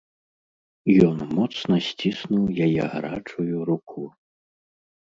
Ён моцна сціснуў яе гарачую руку.